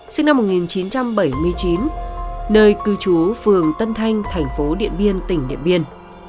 sinh năm một nghìn chín trăm bảy mươi chín nơi cư trú phường tân thanh thành phố điện biên tỉnh điện biên